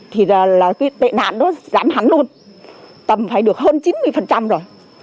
thì cái tệ nạn đó giảm hẳn luôn tầm phải được hơn chín mươi rồi